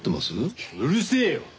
うるせえよ。